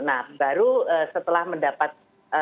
nah baru setelah mendapat